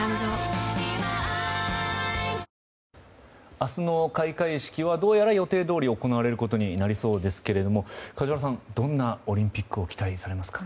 明日の開会式はどうやら予定どおり行われることになりそうですが梶原さん、どんなオリンピックを期待されますか。